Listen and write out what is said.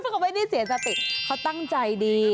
เขาไม่ได้เสียสติเขาตั้งใจดี